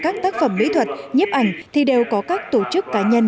các tác phẩm mỹ thuật nhiếp ảnh thì đều có các tổ chức cá nhân